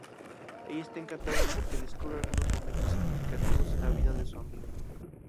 Ella está encantada porque descubre algunos momentos significativos en la vida de su amigo.